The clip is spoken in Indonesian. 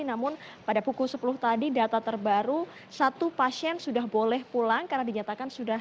namun pada pukul sepuluh tadi data terbaru satu pasien sudah boleh pulang karena dinyatakan sudah